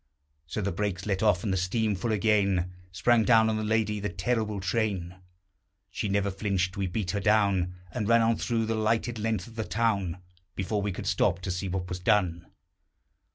So the brakes let off, and the steam full again, Sprang down on the lady the terrible train. She never flinched. We beat her down, And ran on through the lighted length of the town Before we could stop to see what was done.